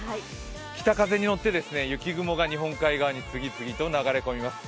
北風にのって雪雲が本海側に次々と流れ込みます。